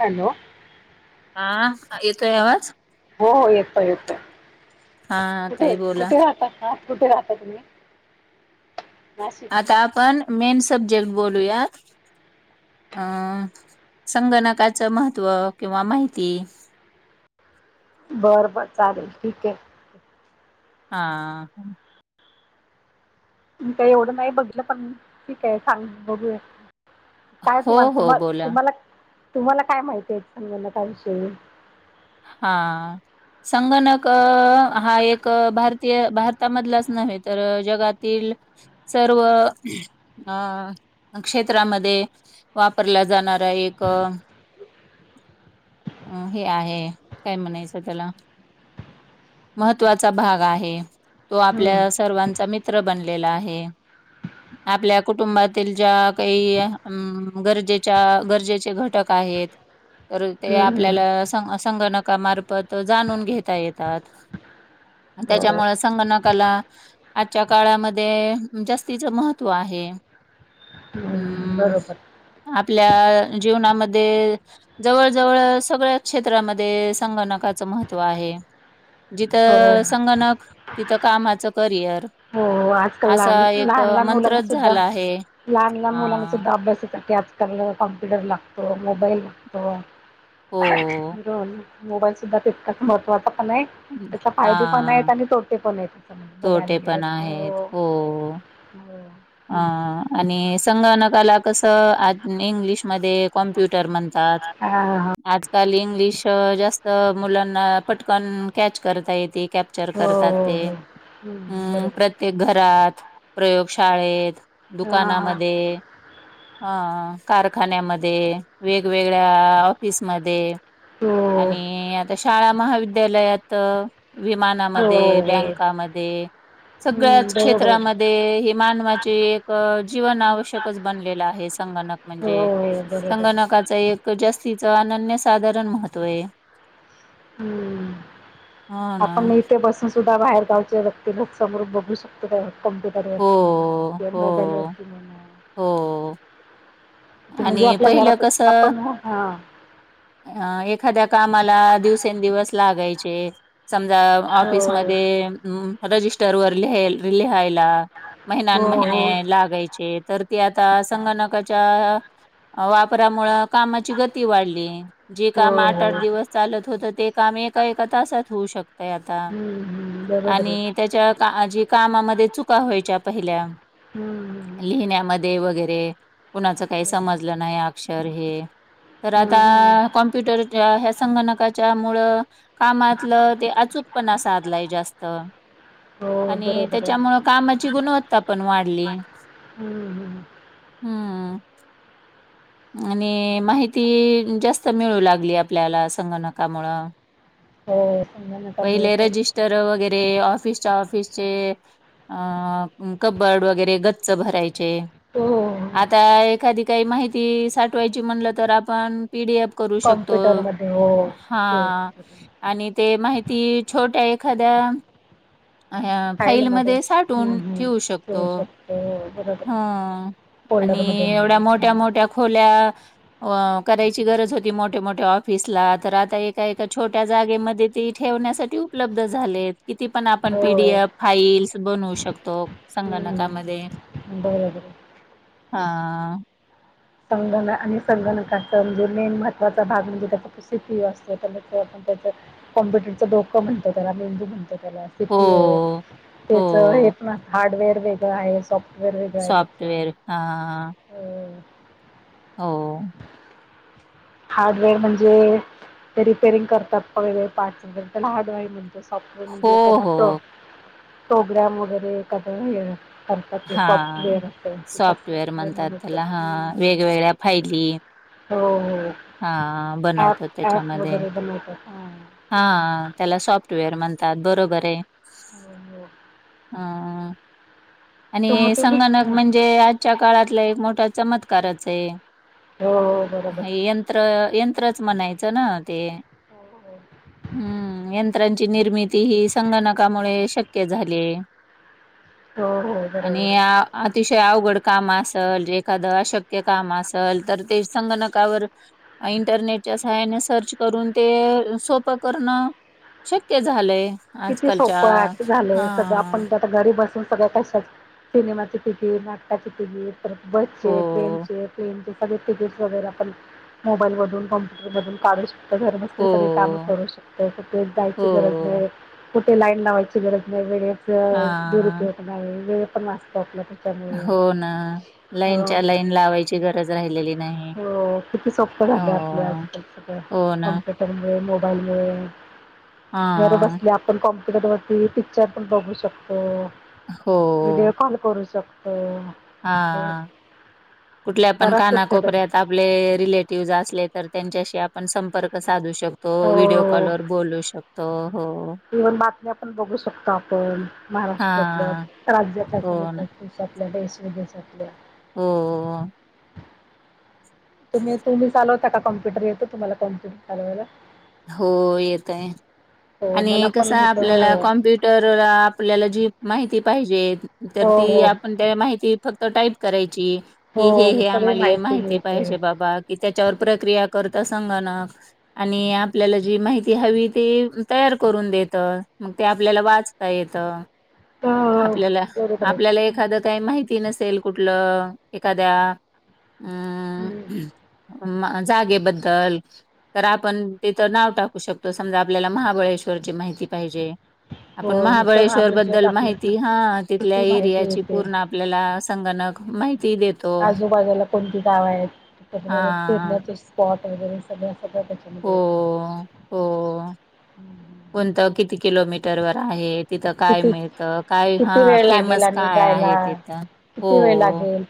Hello. हा येतोय आवाज. हो हो येतोय येतोय हा कुठे ताई बोला कुठे राहतात. कुठे राहता तुम्ही. नाशिक आता आपण मेन सब्जेक्ट बोलूयात. अं संगणकाचं महत्त्व किंवा माहिती. बर- बर चालेल ठीके. हा. मी काय एवढं नाही बघीतलं पण ठीके सांग बघूयात. काय हो तुम्हाला हो तुम्हाला बोला तुम्हा तुम्हाला काय माहितीये संगणकाविषयी हा संगणक हा एक भारतीय भारतामधलाच नव्हे तर जगातील- सर्व ह क्षेत्रामध्ये वापरला जाणारा एक- अ हे आहे काय म्हणायचं त्याला- महत्त्वाचा भाग आहे तो हम्म आपल्या सर्वांचा मित्र बनलेला आहे आपल्या कुटुंबातील ज्या काही ह गरजेच्या गरजेचे घटक आहेत तर ते हम्म आपल्याला हम्म [unintelligible] संगणकामार्फत जाणून घेता येतात बरं त्याच्यामुळे संगणकाला आजच्या काळामध्ये जास्तीचं महत्त्व आहे हे [inaudible] हम् बरोबर आपल्या जीवनामध्ये जवळ जवळ सगळ्या क्षेत्रामध्ये संगणकाचं महत्त्व आहे हो जिथं संगणक तिथं कामाचं करिअर हो आजकाल लहान लहान लहान मुलांना सुद्धा झाला आहे. लहान लहान मुलांना हां. सुद्धा अभ्यासासाठी आज त्यांना कॉम्प्युटर लागतो मोबाईल लागतो हो. [inaudible] मोबाईल सुद्धा तितकाच महत्त्वाचा पण आहे हं. त्याचे फायदे पण आहेत हां, आणि तोटे पण आहेत सं बघायला तोटे पण गेलं.. आहेत हो हो. अ आणि संगणकाला कसं इंग्लिशमध्ये कॉम्प्यु म्प्युटर म्हणतात हां हां आज काल इंग्लिश जास्त मुलांना पटकन कॅच करता येते कॅप्चर हो करतात हो ते हो हम्म अ बरोबर. प्रत्येक घरात प्रयोगशाळेत हां हां दुकानामध्ये अ कारखान्यामध्ये वेगवेगळ्या ऑफिसमध्ये हो आणि आता शाळा महाविद्यालयात हो विमानामध्ये... हो. बँकामध्ये... हम्म सगळ्याच... बरोबर क्षेत्रामध्ये हे मानवाचे एक जीवन आवश्यकच बनलेलं आहे संगणक हो म्हणजे हो बरोबर संगणकाच एक जास्त तिचं अनन्य साधारण महत्त्व ये हम्म. आपण इथे बसून सुद्धा... बाहेरगावचे व्यक्ती [unintelligible] बघू शकतो [unintelligible] कम्प्युटर हो वरती म्हणा किंवा हो मोबाईल वरती म्हणा हो ते म्हणजे आणि आपल्या पहिलं घरात कसं आपण हां अ एखाद्या कामाला दिवसेंदिवस लागायचे समजा हो ऑफिसमध्ये रजिस्टर वर लिहा लिहायला महिन्या हो महिने हो. लागायचे तर - ते आता संगणकाच्या अ वापरामुळे कामाची गती वाढली... जे हो काम हो आठ आठ हम्म दिवस चालत होतं ते काम एका एका तासात होऊ शकतंय आता हम्म बरोबर आहे. आणि त्याच्या [unintelligible] कामा मध्ये चुका व्हायच्या पहिल्या हम्म लिहिण्यामध्ये वगैरे पुन्हा का काही हम्म समजलं नाही अक्षर हे तर आता हम्म हम्म कॉमप्युटरच्या ह्या संगणका च्या मुळं कामातलं ते अचूकपणा साधलाय जास्त हो आणि बरोबर आहे. त्याच्यामुळं कामाची गुणवत्ता पण वाढली हम्म हम्म हम्म आणि माहिती जास्त मिळू लागली आपल्याला संगणकामुळं हो संगणकामुळे पहिले पण रजिस्टर वगैर ऑफिसच्या- ऑफिस चे कब्बर्ड वगैरे गच्च भराय चे हो हो आता एखादी काही माहिती साठवायची म्हणलं, तर आपण पीडीएफ करू शकतो कॉम्प्युटरमध्ये हो ते हा, आणि ते माहिती ती छोट्या एखाद्या अ फाईलमध्ये हम्म साठवून हम्म ठेवू शकतो, शकतो हो बरोबर आहे. हा. आणि फोल्डरमध्ये एवढ्या म्हणा मोठ्या हम्म, मोठ्या खोल्या अ करायची गरज होती, मोठे मोठे ऑफिसला तर आता एका एका छोट्या जागेमध्ये ती ठेवण्यासाठी उपलब्ध झाले किती, पण आपण हो पीडीएफ फाईल्स बनवू शकतो हम्म संगणकामध्ये. बरोबर आहे. हा आ. संगणक आणि संगणकाचा म्हणजे मेन महत्त्वाचा भाग म्हणजे [unintelligible] असते त्या कॉम्प्युटरच डोकं म्हणतो त्याला मेंदू म्हणतो. हो, सीपीओ त्याच हो. हे पण हार्डवेअर वेगळं आहे सॉफ्ट वेअर वेगळ आहे, त्याचं सॉफ्टवेअर हां, अ हो. हार्डवेअर म्हणजे ते रिपेरिंग करतात बघ पार्टस वैगेरे त्याला हार्डवेअर म्ह सॉफ्टवेअर हो, म्हणजे एखादा प्रो हो. प्रोग्रॅम वगैरे एखाद्ं‌ करतात ते हां. सॉफ्टवेअर असतं ती तसं, सॉफ्टवेअर म्हणतात म्हणत, त्याला हां, हम्म. वेगवेगळ्या हो हो. हा ॲप बनवतात ॲप त्याच्यामध्ये. वगैरे बनवतात. हां तेच ना. हा त्याला सॉफ्टवेअर म्हणतात बरोबर. ते, हो हो हम्म. तर मग आणि तुम्ही संगणक हां. म्हणजे आजच्या काळातला एक मोठा चमत्कारच आहे. हो हो बरोबर. हे यंत्र यंत्रच म्हणायचं ना ते, हम्म यंत्रांची निर्मि ती ही संगणकामुळे शक्य झाले. हो हो हो हो बरोबर आणि आहे. अतिशय आवगड काम असल जे एखादं अशक्य काम असल तर ते संगणकावर अ इंटरनेटच्या सहाय्याने सर्च करून ते सोपं करणं शक्य झालंय. किती आजकालच्या सोपंय असं झालंय, हा सध्या आपण त आता घरी बसून सगळं कसं, सिनेमाची तिकीट, नाटकाची तिकीट परत हो बसचे, ट्रेनचे ट्रेनचे तिकिटस् वैगरे आपण मोबाईलधून कम्प्युटरधून काढू श तर घर बसले हो सगळी कामं करू शकतो, कुठेच हो जायची गरज नाही. कुठे लाईन लावायची गरज नाही, हा वेळेच दुरुपयोग नाही वेळ पण वाचतो आपला. त्याच्यामुळे. हो ना, हो लाईनच्या लाईन लावायची गरज राहिलेली नाही. हो, किती सोप्प झालंय आपलं हो आजकाल सगळं, हो ना कॉम्प्युटरमु मोबाईल वर घर हा बसल्या आपण काँम्प्यु वरती पिक्चर पण बघू शकतोय, हो व्हिडिओ कॉल करू शकतो. हा सगळं कुठल्या, पण बराच उपयोग आहे कानाकोपऱ्यात आपले रिलेटिव्हज असले, तर त्यांच्याशी आपण संपर्क साधू शकतो. शकतो, व्हिडिओ हो कॉल हो, वर बोलू शकतो हो. इव्हन बातम्या पण बघू शकतो, आपण महाराष्ट्रातलं हा राज्या [unintelligible] हो ना आपल्या देश विदेशातल्या. हो. तुम्ही- तुम्ही चालवता का, काँम्प्युटर येतो तुम्हाला काँम्प्युटर चालवायला? हो, येत आहे. हो मला आणि पण कसं आहे, येतो आपल्याला हो कॉम्प्युटर आपल्याला जी माहिती पाहिजेत तर ती हो आपण त्याला माहिती फक्त टाईप करायची. हो हे हो हे सगळी आम्हाला माहिती मिळते पाहिजे, बाबा की त्याच्यावर प्रक्रिया करत संगणक आणि आपल्याला जी माहिती हवी ती तयार करून देत मग ते आपल्याला वाचता येत हो हो, आपल्याला बरोबर आपल्याला आहे एखादं काही माहिती नस असेल कुठलं एखाद्या हम्म. अ जागेबद्दल तर आपण तिथं नाव टाकू शकतो समजा आपल्याला महाबळेश्वरची माहिती पाहिजे. हो आपण नुसतं महाबळेश्वर बद्दल टाकलं की माहिती हा तिथल्या किती माहिती एरियाची येते. पूर्ण आपल्याला सग णक माहिती देतो. आजूबाजूला कोणती गावं आहेत त्याच्या हा फिरण्याचे स्पॉट वगैरे सगळ सगळ त्याच्यामध्ये हो येत. हो किलोमीटर वर आहेत. तिथं काय मिळतं काय किती हा वेळ लागेल फेमस आणि काय जायला. आहे तिथं किती वेळ हो लागेल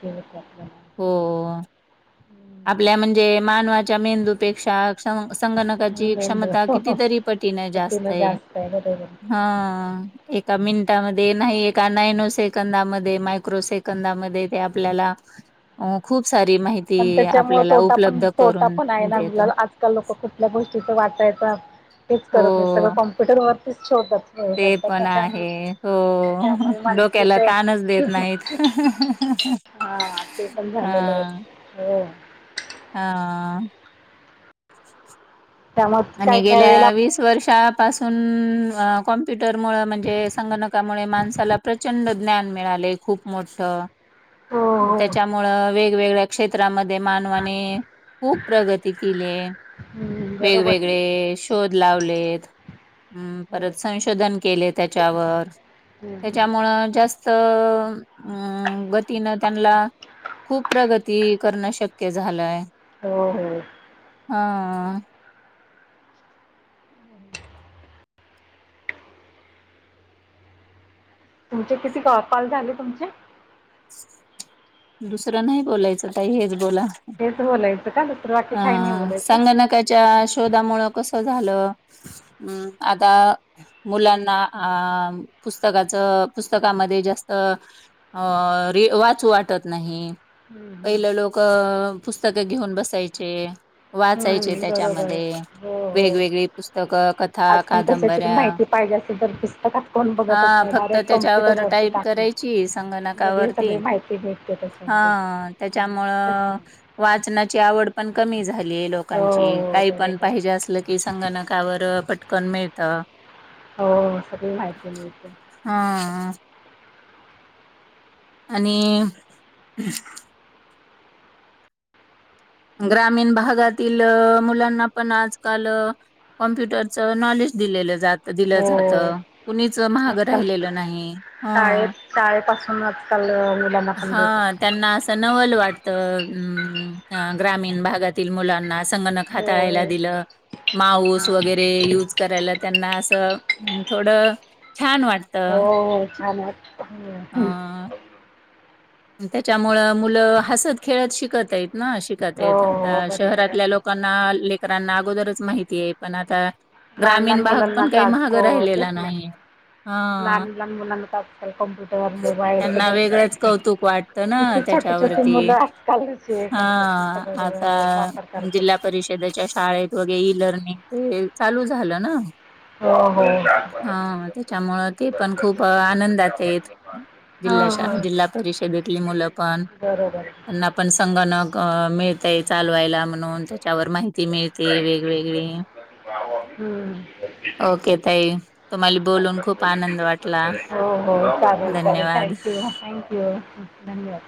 [inaudible] हो हम्म. आपल्या म्हणजे मानवाच्या मेंदूपेक्षा संग संगणकाची मेंदू क्षमता कितीतरी पटीन जास्त आहे हा एका मिनिटामध्ये नाही एका नॅनो सेकंदामध्ये मायक्रो सेकंदामध्ये ते आपल्याला अ खूप सारी माहिती आ त्यामुळे तोटा पण तोटा पण आहे ना आपल्याला आजकाल लोक कुठल्या गोष्टीच वाचायचं तेच हो करत आहे सगळं कॉम्पुटरवरतीच ठेवतात ते पण आहे हो त्यामुळे डोक्याला मानसिक ताणच देत नाहीत. [inaudible] हा ते पण झालेलं हा आहे हो हा आ त्यामुळे आणि काय काय वेळेला गेल्या वीस वर्षात पासून कॉम्प्युटर मुळे म्हणजे संगणकामुळे माणसाला प्रचंड ज्ञान मिळाल. लय खूप मोठं हो हो त्याच्यामुळे वेगवेगळ्या क्षेत्रांमध्ये मानवाने खूप प्रगती केली. हम्म, बरोबर वेगवेग हो वेगळे शोध लावलेत. हम् परत हम्म, संशोधन केले त्याच्यावर हम्म. त्याच्यामुळ जास्त त अ गतीनं त्यांना खूप प्रगती करणं शक्य झालंय. हो हो हा तुमचे किती का कॉल झाले तुमचे. दुसरं नाही बोलायचं ताई हेच बोला ह हेच बोलायचं का दुसरं बाकी काही नाही अ बोलायचं? संगणकाच्या शोधामुळे कस कस झाल म आता मुलाना आ पुस्तकाच पुस्तकामध्ये जास्त अ रि अ वाचू वाटत नाही हम्म हम्म. पहिले लोक अ पुस्तक घेऊन बसायचे वाच चायचे हम्म बरोबर आहे त्याच्यामध्ये हो हो. वेगवेगळी पुस्तकं कथा, आज पण कशाची पण कादंबऱ्या माहिती पाहिजे असेल तर पुस्तकात कोण बघतच हा नाही फक्त डायरेक्ट त्याच्यावर कम्प्युटरवरती टाईप टाकून करायची लगेच संगणकावरती सगळी माहिती भेटते हा त्याच्यामध्ये. हम्म त्याच्यामुळ तेच ना. वाचनाची आवड पण कमी झाली. लई लोकांची हो काही पण बरोबर. पाहिजे असल की संगणकावर अ पटकन मिळत हो अ सगळी माहिती मिळते. हा आणि ग्रामीण भागातील अ मुलांना पण आजकाल अ कॉम्प्युटरचं नॉलेज दिलेलं जात त दिलं हो जातं अ कुणीच म्हागं आजकाल राहिलेलं नाही ह शाळेत शाळेपासून आजकाल मुलांना पण हा देत अ त्यांना असं नवल वाटत त अ म ग्रामीण भागातील मुलांना संगणक हो हाताळायला हो दिलं माऊस हा वगैरे यूज करायला त्यांना असं थोड हो. हो. छान आहे. अ त्याच्यामुळं मुलं हसत खेळत शिकतेत. ना शिकत येतात. हो अ बरोबर आहे शहरातल्या लोकांना लेकरांना अगोदरच माहिती आहे. पण आता लहान लहान ग्रामीण भाग मुलांना पण काही आज म्हाग हो राहिलेला तेच ना नाही. हा लहान लहान मुलांना तर आजकाल कॉम्प्युटर मोबाईल त्यांना सगळं वेगळंच शिकतात. कौतुक वाटतं ना किती छोटी छोटी त्याच्यावरती मुलं आजकालचे हे हा. करतात आता सगळं वापर करतात जिल्हा परिषदेच्या शाळेत ना वगेर लर्निंग ते चालू झालं ना. हो हो हा त्याच्यामुळं ते पण खूप आनंदातेत. हा, जिल्हा हा. शाळा जिल्हा परिषदेतली मुलं पण बरोबर त्यांना पण संगणक मिळतय चालवायला म्हणून त्याच्यावर माहिती मिळते, वेगवेगळे [unintelligible] हो. ताई तुम्हाला बोलून खूप आनंद वाटला हो. चालेल, चालेल. धन्यवाद. थँक्यू, थँक्यू धन्यवाद.